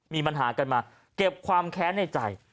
มีปัญหากันมาเก็บความแค้นในใจ